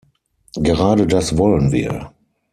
Gerade das wollen wir.